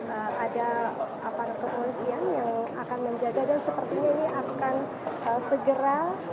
ada aparat kepolisian yang akan menjaga dan sepertinya ini akan segera